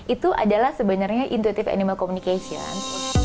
itu adalah sebenarnya intutive animal communication